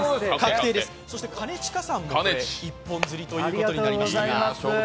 そして兼近さんも一本釣りということになりました。